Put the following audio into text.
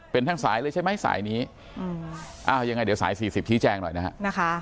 เป็นทั้งสายเลยใช่ไหมสายนี้อ้าวยังไงเดี๋ยวสายสี่สิบชี้แจงหน่อยนะฮะ